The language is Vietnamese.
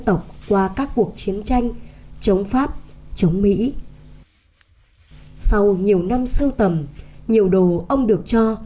tộc qua các cuộc chiến tranh chống pháp chống mỹ sau nhiều năm sưu tầm nhiều đồ ông được cho